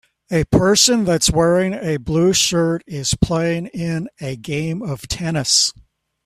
A person that s wearing a blue shirt is playing in a game of tennis